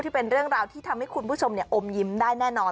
ที่เป็นเรื่องราวที่ทำให้คุณผู้ชมอมยิ้มได้แน่นอน